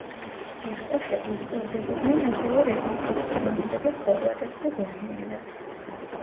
უსტაშები უსწორდებოდნენ ასევე რეჟიმის მოწინააღმდეგე ხორვატებს და ბოსნიელებს.